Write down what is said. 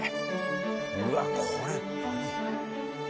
うわっこれ何？